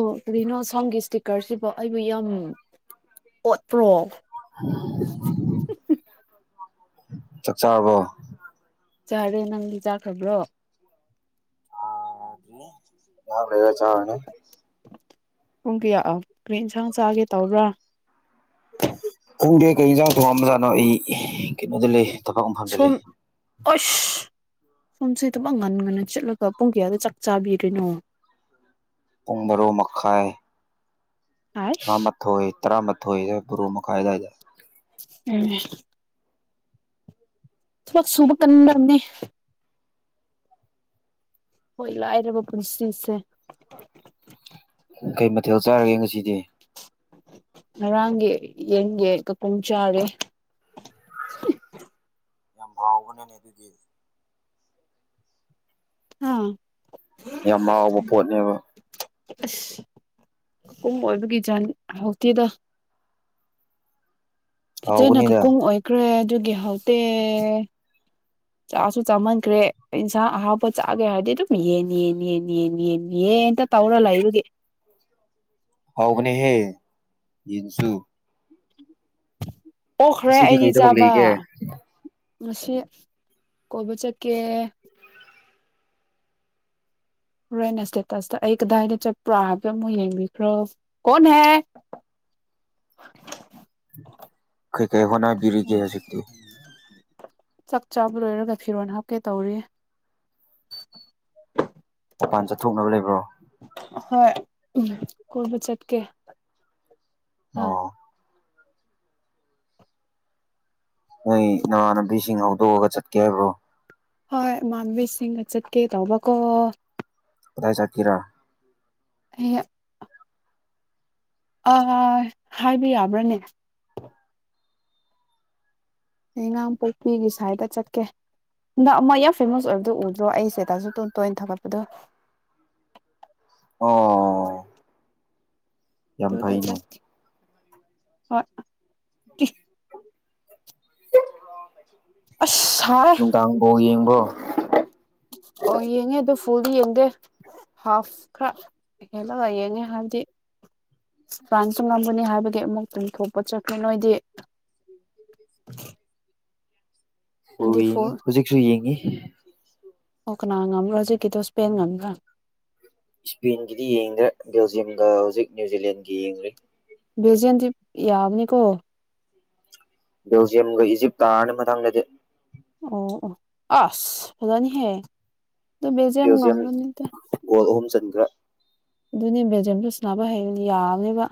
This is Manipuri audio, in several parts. ꯑꯣ ꯀꯔꯤꯅꯣ ꯁꯣꯝꯒꯤ ꯁ꯭ꯇꯤꯀꯔꯁꯤꯕꯨ ꯑꯩꯕꯨ ꯌꯥꯝ ꯑꯣꯠꯄ꯭ꯔꯣ ꯆꯥꯛ ꯆꯥꯔꯕꯣ ꯆꯥꯔꯦ ꯅꯪꯗꯤ ꯆꯥꯈ꯭ꯔꯕ꯭ꯔꯣ ꯉꯥꯛ ꯂꯩꯔ ꯆꯔꯥꯅꯤ ꯄꯨꯡ ꯀꯌꯥ ꯑ ꯀ꯭ꯔꯤ ꯏꯟꯁꯥꯡ ꯆꯥꯒꯦ ꯇꯧꯕ꯭ꯔꯥ ꯈꯣꯡꯗꯦ ꯀꯩ ꯌꯦꯟꯁꯥꯡ ꯊꯣꯡꯉꯝꯖꯥꯠꯅꯣ ꯑꯩ ꯀꯩꯅꯣꯗ ꯂꯩ ꯊꯕꯛ ꯃꯐꯝꯗ ꯁꯣꯝ ꯂꯩ ꯑꯁ ꯁꯣꯝꯁꯦ ꯗꯨꯃꯛ ꯉꯟ ꯉꯟꯅ ꯆꯠꯂꯒ ꯄꯨꯡ ꯀꯌꯥꯗ ꯆꯥꯛ ꯆꯥꯕꯤꯔꯤꯅꯣ ꯄꯨꯡ ꯕꯥꯔꯣ ꯃꯈꯥꯏ ꯑꯥꯏꯁ ꯇꯥꯔꯥꯃꯊꯣꯏ ꯇꯥꯔꯥꯃꯊꯣꯏꯗ ꯕ꯭ꯔꯣ ꯃꯈꯥꯏ ꯑꯗꯥꯏꯗ ꯎꯝ ꯊꯕꯛ ꯁꯨꯕ ꯀꯟꯕꯅꯦ ꯍꯣꯏ ꯂꯥꯏꯔꯕ ꯄꯨꯟꯁꯤꯁꯦ ꯀꯩ ꯃꯊꯦꯜ ꯆꯥꯔꯒꯦ ꯉꯁꯤꯗꯤ ꯉꯔꯥꯡꯒꯤ ꯌꯦꯟꯒꯦ ꯀꯀꯨꯝ ꯆꯥꯔꯦ ꯌꯥꯝ ꯍꯥꯎꯕꯅꯤꯅꯦ ꯑꯗꯨꯗꯤ ꯑꯥ ꯌꯥꯝ ꯍꯥꯎꯕ ꯄꯣꯠꯅꯦꯕ ꯑꯁ ꯀꯨꯝ ꯑꯣꯏꯕꯒꯤ ꯆꯅꯤ ꯍꯥꯎꯇꯦꯗ ꯐꯖꯅ ꯍꯥꯎꯕꯅꯤꯗ ꯀꯀꯨꯡ ꯑꯣꯏꯈ꯭ꯔꯦ ꯑꯗꯨꯒꯤ ꯍꯥꯎꯇꯦ ꯆꯥꯁꯨ ꯆꯥꯃꯟꯈ꯭ꯔꯦ ꯏꯟꯁꯥꯡ ꯑꯍꯥꯎꯕ ꯆꯥꯒꯦ ꯍꯥꯏꯔꯗꯤ ꯑꯗꯨꯝ ꯌꯦꯟ ꯌꯦꯟ ꯌꯦꯟ ꯌꯦꯟ ꯌꯦꯟ ꯌꯦꯟꯇ ꯇꯧꯔ ꯂꯩꯕꯒꯤ ꯍꯥꯎꯕꯅꯦꯍꯦ ꯌꯦꯟꯁꯨꯨ ꯑꯣꯛꯈ꯭ꯔꯦ ꯑꯩꯗꯤ ꯀꯩ ꯊꯕꯛ ꯆꯥꯕ ꯂꯩꯒꯦ ꯉꯁꯤ ꯀꯣꯏꯕ ꯆꯠꯀꯦ ꯍꯣꯔꯦꯟ ꯁ꯭ꯇꯦꯇꯁ ꯇ ꯑꯩ ꯀꯗꯥꯏꯗ ꯆꯠꯄ꯭ꯔꯥ ꯍꯥꯏꯕ ꯑꯃꯨꯛ ꯌꯦꯡꯕꯤꯈ꯭ꯔꯣ ꯀꯣꯟꯍꯦ ꯀꯩ ꯀꯩ ꯍꯣꯠꯅꯕꯤꯔꯤꯒꯦ ꯍꯥꯖꯤꯛꯇꯨ ꯆꯥꯛ ꯆꯥꯕ ꯂꯣꯏꯔꯒ ꯐꯤꯔꯣꯜ ꯍꯥꯞꯀꯦ ꯇꯧꯔꯤ ꯃꯄꯥꯟ ꯆꯠꯊꯣꯛꯅꯕ ꯂꯩꯕ꯭ꯔꯣ ꯍꯣꯏ ꯎꯝ ꯀꯣꯢꯕ ꯆꯠꯀꯦ ꯑꯥ ꯑꯣ ꯅꯣꯢ ꯅꯃꯥꯟꯅꯕꯤꯁꯤꯡ ꯍꯧꯗꯣꯛꯛꯑꯒ ꯆꯠꯀꯦ ꯍꯥꯏꯕ꯭ꯔꯣ ꯍꯣꯏ ꯏꯃꯥꯟꯕꯤꯁꯤꯡꯒ ꯆꯠꯀꯦ ꯇꯧꯕꯀꯣ ꯀꯗꯥꯏ ꯆꯠꯀꯦꯔꯥ ꯑꯌꯥ ꯑꯥ ꯍꯥꯏꯕ ꯌꯥꯕ꯭ꯔꯅꯦ ꯌꯩꯉꯥꯡ ꯄꯣꯛꯄꯤꯒꯤ ꯁꯥꯏꯠꯇ ꯆꯠꯀꯦ ꯍꯟꯗꯛ ꯑꯃ ꯌꯥꯝ ꯐꯦꯃꯁ ꯑꯣꯏꯕꯗꯣ ꯎꯗ꯭ꯔꯣ ꯑꯩ ꯁ꯭ꯇꯦꯇꯁ ꯑꯗꯨꯝ ꯇꯣꯏꯅ ꯊꯥꯃꯛꯄꯗꯣ ꯑꯣ ꯌꯥꯝ ꯑꯗꯨꯗ ꯐꯩꯅꯦ ꯆꯠꯀꯦ ꯍꯣꯏ ꯑꯁ ꯁꯥꯏ ꯅꯨꯡꯗꯥꯡ ꯕꯣꯜ ꯌꯦꯡꯕ꯭ꯔꯣ ꯑꯣ ꯌꯦꯡꯉꯦ ꯑꯗꯣ ꯐꯨꯜꯗꯤ ꯌꯦꯡꯗꯦ ꯍꯥꯐ ꯈ꯭ꯔ ꯍꯦꯜꯂꯒ ꯌꯦꯡꯉꯦ ꯍꯥꯏꯕꯗꯤ ꯐ꯭ꯔꯥꯟꯁꯁꯨ ꯉꯝꯒꯅꯤ ꯍꯥꯏꯕꯒꯤ ꯑꯃꯨꯛ ꯇꯨꯡꯊꯣꯛꯄ ꯆꯠꯈ꯭ꯔꯦ ꯅꯣꯏꯗꯤ ꯅꯪꯗꯤ ꯐꯨꯜ [unintelligible] ꯍꯧꯖꯤꯛꯁꯨ ꯌꯦꯡꯉꯤ ꯑꯣ ꯀꯅꯥ ꯉꯝꯕ꯭ꯔ ꯍꯧꯖꯤꯛꯀꯤꯗꯣ ꯁ꯭ꯄꯦꯟ ꯉꯝꯕ꯭ꯔ ꯁ꯭ꯄꯦꯟꯒꯤꯗꯤ ꯌꯦꯡꯗꯦ ꯕꯦꯜꯖꯤꯌꯝꯒ ꯍꯧꯖꯤꯛ ꯅ꯭ꯌꯨꯖꯤꯂꯦꯟꯒ ꯌꯦꯡꯔꯤ ꯕꯦꯜꯖꯤꯌꯝꯗꯤ ꯌꯥꯕꯅꯤꯀꯣ ꯕꯦꯜꯖꯤꯌꯝꯒ ꯏꯖꯤꯞ ꯇꯥꯔꯅꯤ ꯃꯊꯪꯗꯗꯤ ꯑꯣ ꯑꯣ ꯑꯁ ꯐꯖꯅꯤꯍꯦ ꯑꯗꯨ ꯕꯦꯜꯖꯤꯌꯝ ꯉꯝꯒꯅꯤꯗ ꯒꯣꯜ ꯑꯍꯨꯝ ꯆꯟꯒ꯭ꯔꯦ ꯑꯗꯨꯅꯦ ꯕꯦꯜꯖꯝꯗꯨ ꯁꯥꯅꯕ ꯍꯩꯕꯅꯦ ꯌꯥꯕꯅꯦꯕ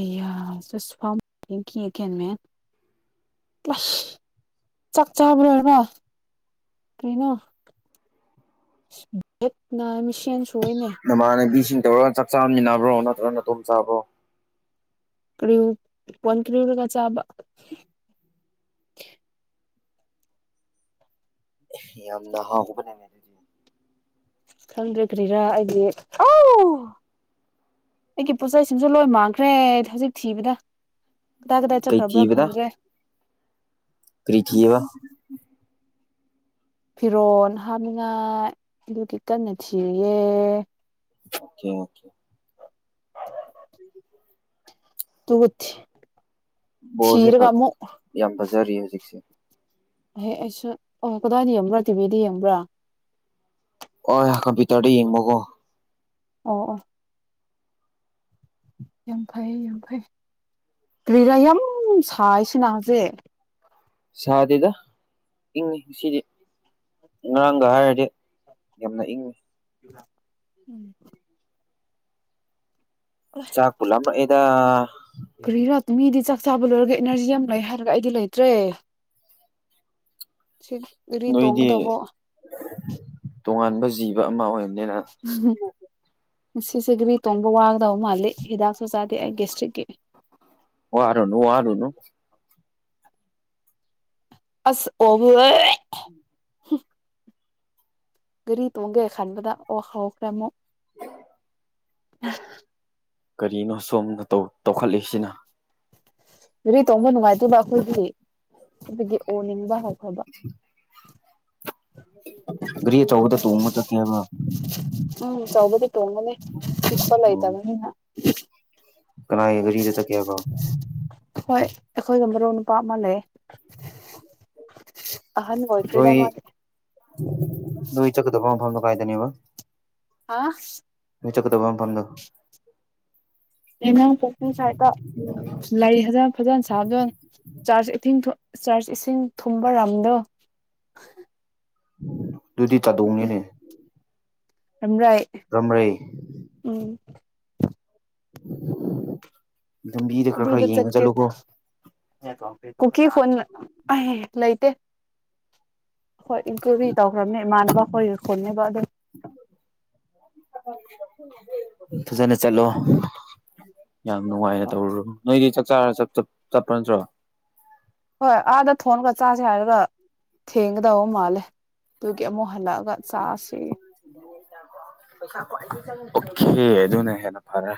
ꯑꯌꯥ [unintelligible] [unintelligible] ꯆꯥꯛꯆꯥꯥ [unintelligible] ꯀꯔꯤꯅꯣ [unintelligible] ꯅꯃꯥꯟꯅꯕꯤꯁꯤꯡ ꯇꯧꯔꯒ ꯆꯥꯛ ꯆꯥꯝꯃꯤꯟꯅꯕ꯭ꯔꯣ ꯅꯠꯇ꯭ꯔ ꯅꯇꯣꯝ ꯆꯥꯕ꯭ꯔꯣ ꯀꯔꯤ [unintelligible] ꯆꯥꯕ ꯌꯥꯝꯅ ꯍꯥꯎꯕꯅꯤꯅꯦ [unintelligible] ꯈꯪꯗ꯭ꯔꯦ ꯀꯔꯤꯔꯥ ꯑꯩꯗꯤ ꯑꯥꯎ ꯑꯩꯒꯤ ꯄꯣꯠꯆꯩꯁꯤꯡꯁꯦ ꯂꯣꯏ ꯃꯥꯡꯈ꯭ꯔꯦ ꯍꯧꯖꯤꯛ ꯊꯤꯕꯗ ꯀꯗꯥꯏ ꯀꯗꯥꯏ ꯀꯩ ꯆꯠꯈ꯭ꯔꯕ꯭ꯔꯥ ꯊꯤꯕꯗ ꯈꯪꯗ꯭ꯔꯦ ꯀꯔꯤ ꯊꯤꯕ꯭ꯔꯥ ꯐꯤꯔꯣꯜ ꯍꯥꯞꯅꯤꯡꯉꯥꯏ ꯑꯗꯨꯒꯤ ꯀꯟꯅ ꯊꯤꯔꯤꯌꯦ ꯑꯣꯀꯦ ꯑꯣꯀꯦ ꯑꯗꯨꯒ ꯊꯤ ꯕꯣꯜꯁꯦ ꯐ ꯌꯥꯝ ꯐꯖꯔꯤ ꯍꯧꯖꯤꯛꯁꯦ ꯑꯦꯍꯦ ꯑꯩꯁꯨ ꯑꯣ ꯀꯗꯥꯏꯗ ꯌꯦꯡꯕ꯭ꯔꯥ ꯇꯤꯚꯤꯗ ꯌꯦꯡꯕ꯭ꯔꯥ ꯑꯣꯢ ꯀꯝꯄ꯭ꯌꯨꯇꯔꯗ ꯌꯦꯡꯕꯀꯣ ꯑꯣ ꯑꯣ ꯌꯥꯝ ꯐꯩꯌꯦ ꯌꯥꯝ ꯐꯩ ꯀ꯭ꯔꯤꯔꯥ ꯌꯥꯝ ꯁꯥꯏꯁꯤꯅ ꯍꯧꯖꯤꯛ ꯁꯥꯗꯦꯗ ꯏꯪꯉꯤ ꯉꯁꯤꯗꯤ ꯉꯔꯥꯡꯒ ꯍꯥꯏꯔꯨꯔꯗꯤ ꯌꯥꯝꯅ ꯏꯪꯉꯤ ꯍꯥ ꯆꯥꯛꯄꯨ ꯂꯥꯝꯂꯛꯑꯦꯗ ꯀꯔꯤꯔ ꯃꯤꯗꯤ ꯆ ꯆꯥꯥꯕꯨ ꯂꯣꯏꯔꯒ ꯏꯅꯔꯖꯤ ꯌꯥꯝ ꯂꯩ ꯍꯥꯏꯔꯒ ꯑꯩꯗꯤ ꯂꯩꯇ꯭ꯔꯦ ꯁꯤ ꯒꯔꯤ ꯅꯣꯏꯗꯤ ꯇꯣꯡꯉꯗꯕꯣ ꯇꯣꯉꯥꯟꯕ ꯖꯤꯕ ꯑꯃ ꯑꯣꯏ ꯍ ꯉꯁꯤꯁꯦ ꯒ꯭ꯔꯤ ꯇꯣꯡꯕ ꯋꯥꯒꯗꯧ ꯃꯥꯜꯂꯤ ꯍꯤꯗꯥꯛꯁꯨ ꯆꯥꯗꯦ ꯑꯩ ꯒꯦꯁꯇ꯭ꯔꯤꯛꯀꯤ ꯋꯥꯔꯨꯅꯨ ꯋꯥꯔꯨꯅꯨ ꯑꯁ ꯑꯣꯒꯦ ꯑꯣꯠ ꯒꯥꯔꯤ ꯇꯣꯡꯒꯦ ꯈꯟꯕꯗ ꯑꯣ ꯍꯧꯈ꯭ꯔꯦ ꯑꯃꯨꯛ ꯀꯔꯤꯅꯣ ꯁꯣꯝꯅ ꯇꯧꯈꯠꯂꯛꯏꯁꯤꯅ ꯔꯤ ꯇꯣꯡꯕ ꯅꯨꯡꯉꯥꯏꯇꯦꯕ ꯑꯩꯈꯣꯏꯒꯤ ꯑꯗꯨꯒꯤ ꯑꯣꯅꯤꯡꯕ ꯍꯧ ꯍꯧꯕ ꯒꯥꯔꯤ ꯑꯆꯧꯕꯗ ꯇꯣꯡꯉ ꯆꯠꯀꯦ ꯍꯥꯢꯕ ꯎꯝ ꯑꯆꯧꯕꯗ ꯇꯣꯡꯒꯅꯦ ꯄꯤꯛꯄ ꯑꯣ ꯂꯩꯇꯕꯅꯤꯅ ꯀꯅꯥꯒꯤ ꯒꯥꯔꯤꯗ ꯆꯠꯀꯦ ꯍꯥꯢꯕ꯭ꯔꯣ ꯏꯅꯥꯎ ꯅꯨꯄꯥ ꯑꯃ ꯂꯩꯌꯦ ꯅꯣꯏ ꯅꯣꯏ ꯆꯠꯀꯗꯕ ꯃꯐꯝꯗꯣ ꯀꯥꯏꯗꯅꯦꯕ ꯍꯥ ꯅꯣꯢ ꯆꯠꯀꯗꯕ ꯃꯐꯝꯗꯣ ꯌꯥꯢꯉꯪ ꯄꯣꯛꯄꯤ ꯁꯥꯏꯇ ꯂꯩ ꯐꯖ ꯐꯖꯅ ꯁꯥꯗꯣ ꯆꯥꯔꯖ ꯏꯊꯤꯡ ꯆꯥꯔꯖ ꯏꯁꯤꯡ ꯊꯨꯝꯕ ꯔꯝꯗꯣ ꯑꯗꯨꯗꯤ ꯆꯥꯗꯣꯡꯅꯤꯅꯦ ꯔꯝꯔꯥꯏ ꯔꯝꯔꯩ ꯎꯝ ꯂꯝꯕꯤꯗ ꯈꯔ ꯈꯔ ꯑꯗꯨꯗ ꯌꯦꯡꯉ ꯆꯠꯀꯦ ꯆꯠꯂꯨꯀꯣ ꯀꯨꯀꯤ ꯈꯨꯟ ꯑꯥꯢ ꯂꯩꯇꯦ ꯍꯈꯣꯏ ꯏꯟꯀ꯭ꯂꯨꯗꯤ ꯇꯧꯈ꯭ꯔꯕꯅꯦ ꯏꯃꯥꯟꯅꯕ ꯍꯣꯏ ꯈꯣꯟꯅꯦꯕ ꯑꯗꯨ [inaudible] ꯐꯖꯅ ꯆꯠꯂꯣ ꯌꯥꯝ ꯅꯨꯡꯉꯥꯏꯅ ꯇꯧꯔꯣ ꯅꯣꯏꯗꯤ ꯆꯥꯛ ꯆꯥꯔ ꯆꯠꯄ ꯆꯠꯄ ꯅꯠꯇ꯭ꯔꯣ ꯍꯣꯏ ꯑꯥꯗ ꯊꯣꯟꯉꯒ ꯆꯥꯁꯦ ꯍꯥꯏꯔꯒ ꯊꯦꯡꯒꯗꯧꯕ ꯃꯥꯜꯂꯦ ꯑꯗꯨꯒꯤ ꯑꯃꯨꯛ ꯍꯜꯂꯛꯑ ꯒ ꯆꯥꯁꯦ ꯑꯣꯦꯀꯦ ꯑꯗꯨꯅ ꯍꯦꯟꯅ ꯐꯔꯦ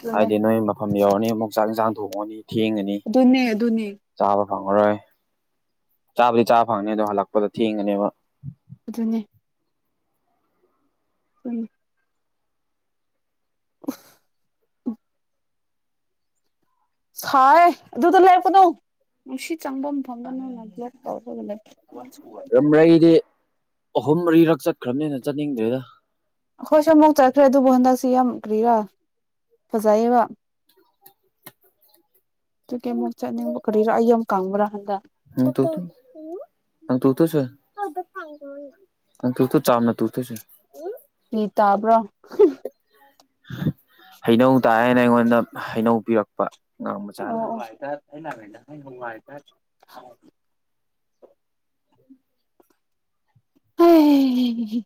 ꯑꯗꯨꯅꯦ ꯍꯥꯏꯗꯤ ꯅꯣꯏ ꯃꯐꯝ ꯌꯧꯔꯅꯤ ꯑꯃꯨꯛ ꯆꯥꯛ ꯌꯦꯟꯁꯥꯡ ꯊꯣꯡꯉꯅꯤ ꯊꯦꯡꯉꯅꯤ ꯑꯗꯨꯅꯦ ꯑꯗꯨꯅꯦ ꯆꯥꯕ ꯐꯪꯉꯔꯣꯏ ꯆꯥꯕꯨꯗꯤ ꯆꯥꯕ ꯐꯪꯅꯤ ꯑꯗꯣ ꯍꯜꯂꯛꯄꯗ ꯊꯦꯡꯒꯅꯦꯕ ꯑꯗꯨꯅꯦ ꯎꯝ ꯑꯍ ꯍ ꯁꯥꯏꯌꯦ ꯑꯗꯨꯗ ꯂꯩꯔꯛꯀꯅꯣ ꯅꯨꯡꯁꯤꯠ ꯆꯪꯐꯝ ꯐꯪꯗꯦꯔꯒ ꯅꯪꯅ ꯕ꯭ꯂꯣꯛ ꯇꯧꯔꯒ ꯂꯩꯌꯦ ꯔꯝꯔꯩ ꯗꯤ ꯑꯍꯨꯝ ꯃꯔꯤꯔꯛ ꯆꯠꯈ꯭ꯔꯕꯅꯤꯅ ꯆꯠꯅꯤꯡꯗ꯭ꯔꯦꯗ ꯑꯩꯈꯣꯏꯁꯨ ꯑꯃꯨꯛ ꯆꯠꯈ꯭ꯔꯦ ꯑꯗꯨꯕꯨ ꯍꯟꯗꯛꯁꯤ ꯌꯥꯝ ꯀ꯭ꯔꯤꯔꯥ ꯐꯖꯩꯌꯦꯕ [inaudible] ꯑꯗꯨꯒꯤ ꯑꯃꯨꯛ ꯆꯠꯅꯤꯡꯕ ꯀꯔꯤꯔꯥ ꯑꯩ ꯌꯥꯝ ꯀꯪꯕ꯭ꯔꯥ ꯍꯟꯗꯛ [unintelligible] ꯑꯪ ꯇꯨꯊꯁ ꯇꯨꯊ ꯆꯝꯅ ꯇꯨꯊꯁ ꯔꯤ ꯇꯥꯕ꯭ꯔꯥ ꯍꯩꯅꯧ ꯇꯥꯏꯌꯦꯅ ꯑꯩꯉꯣꯟꯗ ꯍꯩꯅꯧ ꯄꯤꯔꯛꯄ ꯑꯉꯥꯡ ꯃꯆꯥꯅ ꯑꯣ ꯑꯣ [unintelligible] ꯑꯦꯍ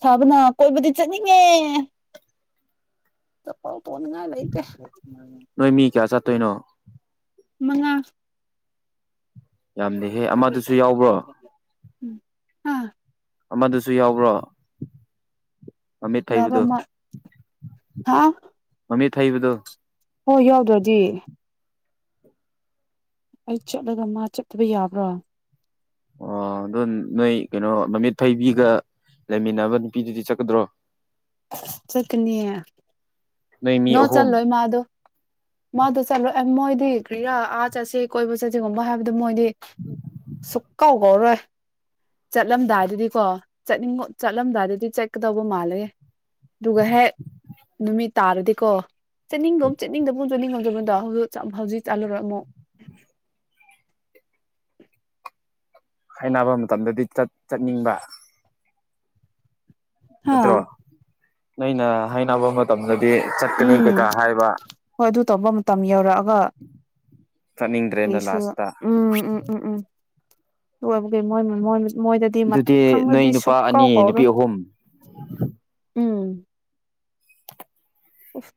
ꯁꯥꯕꯅ ꯀꯣꯏꯕꯗꯤ ꯆꯠꯅꯤꯡꯉꯦ ꯇꯣꯡꯅꯉꯥꯢ ꯂꯩꯇꯦ ꯀꯩꯅꯣ ꯃꯉꯥ ꯌꯥꯝꯗꯦꯍꯦ ꯑꯃꯗꯨꯁꯨ ꯌꯥꯎꯕ꯭ꯔꯣ ꯎꯝ ꯑꯥ ꯑꯃꯗꯨꯁꯨ ꯌꯥꯎꯕ꯭ꯔꯣ ꯃꯃꯤꯠ ꯀꯅꯥꯔꯣ ꯐꯩꯕꯗꯣ ꯃ ꯍꯥ ꯊꯩꯕꯗꯣ ꯍꯣꯏ ꯌꯥꯎꯗ꯭ꯔꯗꯤ ꯑꯩ ꯆꯠꯂꯒ ꯃꯥ ꯆꯠꯇꯕ ꯌꯥꯕ꯭ꯔꯥ ꯑꯣ ꯑꯗꯨꯗꯣ ꯅꯣꯏ ꯀꯩꯅꯣ ꯃꯃꯤꯠ ꯐꯩꯕꯤꯒ ꯂꯩꯃꯤꯟꯅꯕ ꯅꯨꯄꯤꯗꯨꯗꯤ ꯆꯠꯀꯗ꯭ꯔꯣ ꯆꯠꯀꯅꯤ ꯅꯣꯏ ꯃꯤ ꯅꯣ ꯑꯍꯨꯝ ꯆꯠꯂꯣꯢ ꯃꯥꯗꯨ ꯃꯥꯗꯨ ꯆꯂꯣ ꯑꯦ ꯃꯣꯏꯗꯤ ꯀ꯭ꯔꯤꯔꯥ ꯑꯥ ꯆꯠꯁꯦ ꯀꯣꯏꯕ ꯆꯠꯁꯤꯒꯨꯝꯕ ꯍꯥꯏꯕꯗ ꯃꯣꯏꯗꯤ ꯁꯨꯛꯀꯧ ꯀꯧꯔꯣꯢ ꯆꯠꯂꯝꯗꯥꯏꯁꯤꯗꯤ ꯀꯣ ꯆꯠꯅꯤꯡ ꯆꯠꯂꯝꯗꯥꯏꯗꯗꯤ ꯆꯠꯀꯗꯧꯕ ꯃꯥꯜꯂꯦ ꯑꯗꯨꯒ ꯍꯦꯛ ꯅꯨꯃꯤꯠ ꯇꯥꯔꯗꯤꯀꯣ ꯆꯠꯅꯤꯡꯒꯨꯝ ꯆꯠꯅꯤꯡꯗꯒꯨꯝ ꯆꯠꯅꯤꯡꯉꯧꯗꯕꯗꯣ ꯍꯧꯖꯤꯛ ꯆꯠꯂꯔꯣꯢ ꯑꯃꯨꯛ [inaudible] ꯍꯥꯏꯅꯕ ꯃꯇꯝꯗꯗꯤ ꯆꯠ ꯆꯠꯅꯤꯡꯕ ꯍꯥ ꯅꯠꯇ꯭ꯔꯣ ꯅꯣꯢꯅ ꯍꯥꯏꯅꯕ ꯃꯇꯝꯗ ꯎꯝ ꯍꯣꯏ ꯑꯗꯨ ꯇꯧꯕ ꯃꯇꯝ ꯌꯧꯔꯛꯑꯒ ꯆꯠꯅꯤꯡꯗ꯭ꯔꯦꯅ ꯀꯔꯤꯁꯨ ꯂꯥꯁꯇ ꯎꯝ ꯎꯝ ꯎꯝ ꯎꯝ ꯑꯗꯨ ꯑꯣꯏꯕꯒꯤ ꯃꯣꯢ ꯃꯣꯢ ꯃꯣꯏꯗꯗꯤ ꯑꯗꯨꯗꯤ ꯃꯊꯪꯗꯗꯤ ꯅꯣꯏ ꯅꯨꯄꯥ ꯁꯨꯛꯀꯧ ꯑꯅꯤ ꯅꯨꯄꯤ ꯀꯧꯔꯣꯏ ꯑꯍꯨꯝ ꯎꯝ ꯑꯣꯐ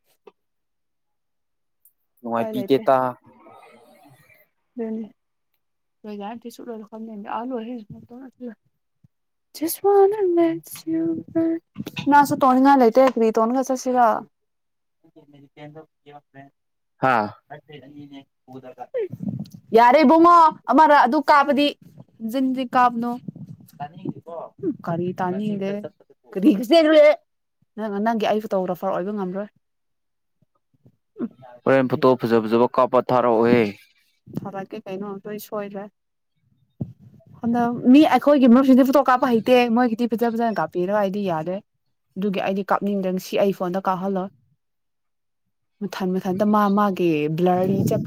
ꯅꯨꯉꯥꯏꯄꯤꯇꯦꯇꯥ ꯗꯨꯅꯦ [unintelligible] ꯖꯁ ꯋꯥꯅ ꯂꯦꯠꯁ ꯌꯨ ꯕꯦ ꯉꯥꯁꯨ ꯇꯣꯡꯅꯤꯡꯉꯥꯢ ꯂꯩꯇꯦ ꯀꯔꯤ ꯇꯣꯡꯉꯒ ꯆꯠꯁꯤꯔ [unintelligible] ꯍꯥꯥ [unintelligible] ꯌꯥꯔꯦ ꯏꯕꯨꯡꯉꯣ ꯑꯃꯔ ꯑꯗꯨ ꯀꯥꯕꯗꯤ ꯖꯤꯡꯖꯤ ꯀꯥꯕꯅꯣ ꯀꯔꯤ ꯇꯥꯅꯤꯗꯦ [unintelligible] ꯅꯪ ꯅꯪꯒꯤ ꯑꯩ ꯐꯣꯇꯣꯒ꯭ꯔꯥꯐꯔ ꯑꯣꯏꯕ ꯉꯝꯔꯣꯏ [inaudible] ꯍꯣꯔꯦꯟ ꯐꯣꯇꯣ ꯐꯖ ꯐꯖꯕ ꯀꯥꯞꯄ ꯊꯥꯔꯛꯑꯣꯍꯦ ꯊꯔꯛꯀꯦ ꯀꯩꯅꯣ ꯂꯣꯏ ꯁꯣꯏꯈ꯭ꯔꯦ ꯍꯟꯗꯛ ꯃꯤ ꯑꯩꯈꯣꯏꯒꯤ ꯃꯔꯨꯞꯁꯤꯗꯤ ꯐꯣꯇꯣ ꯀꯥꯞꯄ ꯍꯩꯇꯦ ꯃꯣꯏꯒꯤꯗꯤ ꯐꯖ ꯐꯖꯅ ꯀꯥꯞꯄꯤꯔꯒ ꯑꯩꯗꯤ ꯌꯥꯗ꯭ꯔꯦ ꯑꯗꯨꯒꯤ ꯑꯩꯗꯤ ꯀꯥꯞꯅꯤꯡꯗ꯭ꯔ ꯁꯤ ꯑꯩ ꯐꯣꯟꯗ ꯀꯥꯞꯍꯜꯂꯣꯏ [inaudible] ꯃꯊꯟ ꯃꯊꯟꯇ ꯃꯥ ꯃꯥꯒꯤ ꯕ꯭ꯂꯔꯤ ꯆꯠ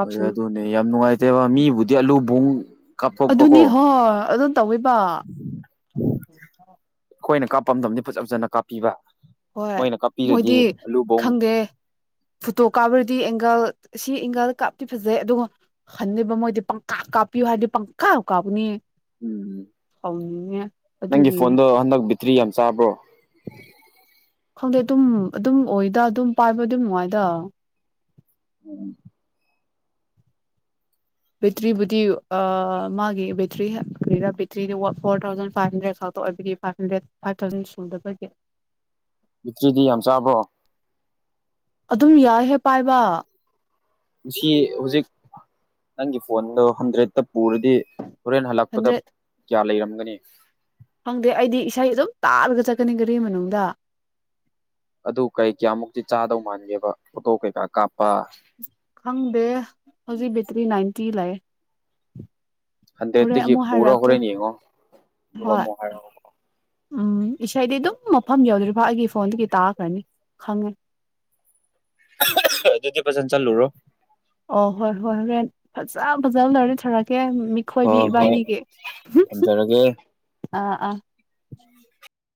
ꯍꯣꯏ ꯑꯗꯨꯅꯦ ꯌꯥꯝ ꯅꯨꯡꯉꯥꯏꯇꯦꯕ ꯃꯤꯕꯨꯗꯤ ꯑꯂꯨꯕꯨꯡ ꯑꯗꯨꯅꯤ ꯀꯥꯞꯊꯣꯛꯄꯀꯣ ꯍꯣꯏ ꯑꯗꯨꯝ ꯇꯧꯋꯦꯕ [unintelligible] ꯐꯖ ꯐꯖꯅ ꯀꯥꯞꯄꯤꯕ ꯍꯣꯏ ꯃꯣꯏꯅ ꯃꯣꯏꯗꯤ ꯀꯥꯞꯄꯤꯔꯗꯤ ꯑꯂꯨꯕꯣꯡ ꯈꯪꯗꯦ ꯐꯨꯇꯣ ꯀꯥꯞꯔꯗꯤ ꯑꯦꯡꯒꯜ ꯁꯤ ꯏꯪꯒꯥꯜꯗ ꯀꯥꯞꯄꯇꯤ ꯐꯖꯩ ꯑꯗꯨꯒ ꯍꯟꯗꯦꯕ ꯃꯣꯏꯗꯤ ꯄꯪꯀꯥ ꯀꯥꯞꯄꯤꯌꯨ ꯍꯥꯏꯔꯗꯤ ꯄꯪꯀꯥ ꯀꯥꯞꯄꯅꯤ ꯎꯝ ꯁꯥꯎꯅꯤꯡꯉꯦ ꯅꯪꯒꯤ ꯑꯗꯨꯒꯤ ꯐꯣꯟꯗꯣ ꯍꯟꯗꯛ ꯕꯤꯠꯇ꯭ꯔꯤ ꯌꯥꯝ ꯆꯥꯕ꯭ꯔꯣ ꯈꯪꯗꯦ ꯑꯗꯨꯝ ꯑꯗꯨꯝ ꯑꯣꯏꯗ ꯑꯗꯨꯝ ꯄꯥꯏꯕꯗꯤ ꯅꯨꯡꯉꯥꯏꯗ ꯎꯝ ꯕꯦꯇ꯭ꯔꯤꯕꯨꯗꯤ ꯑꯥ ꯃꯥꯒꯤ ꯕꯦꯇ꯭ꯔꯤ ꯀꯔꯤꯔ ꯕꯦꯇ꯭ꯔꯤꯗꯤ ꯐꯣꯔ ꯊꯥꯎꯖꯟ ꯐꯥꯏꯚ ꯍꯟꯗ꯭ꯔꯦꯗ ꯐꯥꯎ ꯑꯣꯏꯕꯒꯤ ꯐꯥꯏꯚ ꯍꯟꯗ꯭ꯔꯦꯠ ꯐꯥꯏꯚ ꯊꯥꯎꯖꯟ ꯁꯨꯗꯕꯒꯤ ꯕꯦꯇ꯭ꯔꯤꯗꯤ ꯌꯥꯝ ꯆꯥꯕ꯭ꯔꯣ ꯑꯗꯨꯝ ꯌꯥꯏꯍꯦ ꯄꯥꯏꯕ ꯉꯁꯤ ꯍꯧꯖꯤꯛ ꯅꯪꯒꯤ ꯐꯣꯟꯗꯣ ꯍꯟꯗ꯭ꯔꯦꯠꯇ ꯄꯨꯔꯗꯤ ꯍꯣꯔꯦꯟ ꯍꯜꯂꯛꯄꯗ ꯍꯟꯗ꯭ꯔꯦꯠ ꯀꯌꯥ ꯂꯩꯔꯝꯒꯅꯤ ꯈꯪꯗꯦ ꯑꯩꯗꯤ ꯏꯁꯩ ꯑꯗꯨꯝ ꯇꯥꯔꯒ ꯆꯠꯀꯅꯤ ꯒꯥꯔꯤ ꯃꯅꯨꯡꯗ ꯑꯗꯨ ꯀꯩ ꯀꯌꯥꯃꯨꯛꯇꯤ ꯆꯥꯗꯧ ꯃꯥꯟꯒꯦꯕ ꯐꯣꯇꯣ ꯀꯩꯀꯥ ꯀꯥꯞꯄ ꯈꯪꯗꯦ ꯍꯧꯖꯤꯛ ꯕꯦꯇ꯭ꯔꯤ ꯅꯥꯏꯟꯇꯤ ꯂꯩ ꯍꯣꯔꯦꯟ ꯍꯟꯗ꯭ꯔꯦꯠꯇꯒꯤ ꯑꯃꯨꯛ ꯄꯨꯔ ꯍꯥꯏꯔꯛꯀꯦ ꯍꯣꯔꯦꯟ ꯌꯦꯡꯉꯣ ꯑꯗꯨꯒ ꯍꯣꯏ ꯑꯃꯨꯛ ꯍꯥꯏꯔꯛꯑꯣꯀꯣ ꯎꯝ ꯏꯁꯩꯗꯤ ꯑꯗꯨꯝ ꯃꯐꯝ ꯌꯧꯗ꯭ꯔꯤꯐꯥꯎ ꯑꯩꯒꯤ ꯐꯣꯟꯗꯒꯤ ꯇꯥꯥꯈ꯭ꯔꯅꯤ ꯈꯪꯉꯦ ꯑꯗꯨꯗꯤ ꯐꯖꯅ ꯆꯠꯂꯨꯔꯣ ꯑꯣ ꯍꯣꯏ ꯍꯣꯏ ꯍꯣꯔꯦꯟ ꯐꯖ ꯐꯖꯕ ꯂꯩꯔꯦ ꯊꯥꯔꯛꯀꯦ ꯑꯦ ꯃꯤꯈꯣꯏꯗꯤ ꯍꯣꯏ ꯍꯣꯏ ꯏꯕꯥꯅꯤꯒꯤ ꯑꯥ ꯑꯥ ꯎꯝ